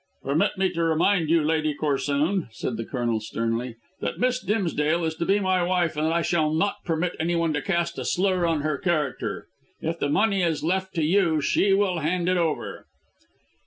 "Permit me to remind you, Lady Corsoon," said the Colonel sternly, "that Miss Dimsdale is to be my wife and that I shall not permit anyone to cast a slur on her character. If the money is left to you she will hand it over."